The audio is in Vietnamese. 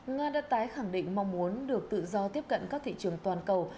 nga đã tái khẳng định mong muốn được tự do tiếp cận các thị trường toàn cầu